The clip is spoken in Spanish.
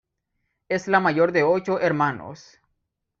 Es la mayor de ocho hermanos.